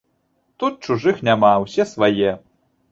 Тут чужых няма, усе свае!